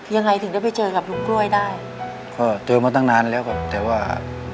ยังไงถึงได้ไปเจอกับลุงกล้วยได้ก็เจอมาตั้งนานแล้วครับแต่ว่า